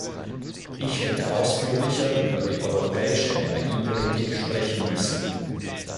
Ich hätte ausführlicher über die europäische Energiepolitik sprechen müssen.